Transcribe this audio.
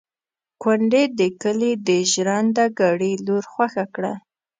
کونډې د کلي د ژرنده ګړي لور خوښه کړه.